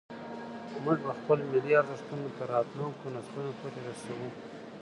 موږ به خپل ملي ارزښتونه تر راتلونکو نسلونو پورې رسوو.